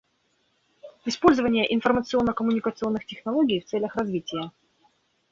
Использование информационно-коммуникационных технологий в целях развития.